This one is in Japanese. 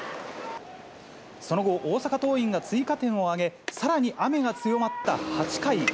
その後、大阪桐蔭が追加点を挙げ、さらに雨が強まった８回。